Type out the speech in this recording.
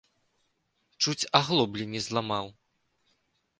Чуць аглоблі не зламаў.